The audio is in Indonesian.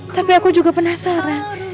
tapi aku juga penasaran